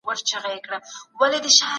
تاسو کولای سئ په کور کي ټایپنګ زده کړئ.